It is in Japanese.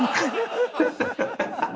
ハハハハ！